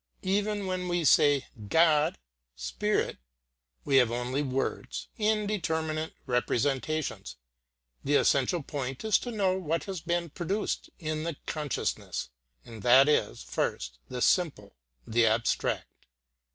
Even when we say, "God," "spirit," we have only words, indeterminate representations. The essential point is to know what has been produced in the consciousness. And that is, first, the simple, the abstract.